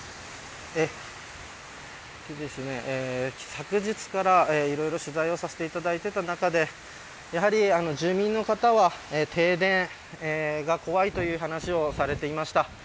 昨日から取材をさせていただいていた中で住民の方は停電が怖いという話をされていました。